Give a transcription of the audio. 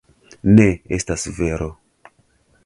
Ne, estas vero.